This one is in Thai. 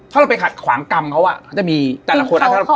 ถ้าเราไปขัดขวางกรรมของเขาเธอจะมีกว่า